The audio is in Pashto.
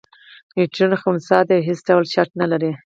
نیوټرون خنثی دی او هیڅ ډول چارچ نلري.